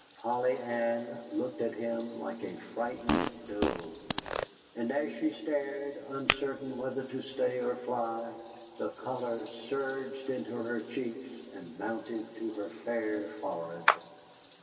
Polly Ann looked at him like a frightened doe. And as she stared, uncertain whether to stay or fly, the color surged into her cheeks and mounted to her fair forehead.